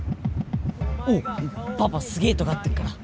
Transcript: おう、パパすげえ尖ってっから。